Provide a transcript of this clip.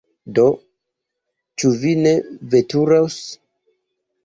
Do, ĉu ni veturos?